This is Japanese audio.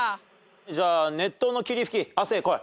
じゃあ熱湯の霧吹き亜生来い。